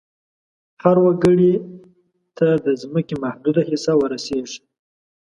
هر وګړي ته د ځمکې محدوده حصه ور رسیږي.